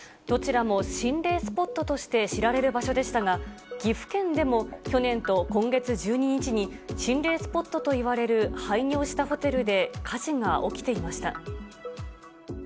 どちらも心霊スポットとして知られる場所でしたが、岐阜県でも去年と今月１２日に、心霊スポットといわれる廃業したホテルで火事が起きていました。